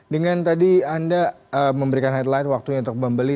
dengan tadi anda memberikan headline waktunya untuk membeli